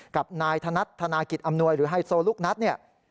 กับนายธนัดธนากิจอำนวยหรือไฮโซลูกนัทเนี่ย